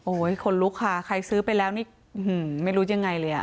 คนลุกค่ะใครซื้อไปแล้วนี่ไม่รู้ยังไงเลยอ่ะ